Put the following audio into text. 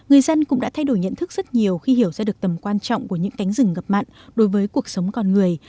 người dân cũng đã thay đổi nhận thức rất nhiều khi hiểu ra được tầm quan trọng của những cánh rừng ngập mặn đối với cuộc sống con người